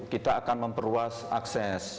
kita akan memperluas akses